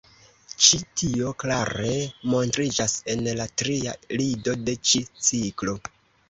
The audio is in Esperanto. Ĉi tio klare montriĝas en la tria lido de ĉi ciklo.